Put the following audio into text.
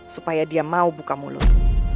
supaya dia mau buka mulut